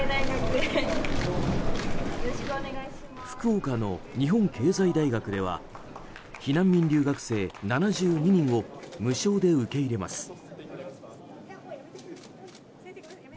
福岡の日本経済大学では避難民留学生７２人を無償で受け入れます。